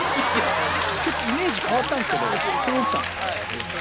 ちょっとイメージ変わったんですけど。